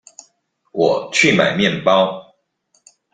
我去買麵包